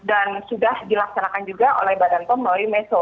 dan sudah dilaksanakan juga oleh badan pemelih meso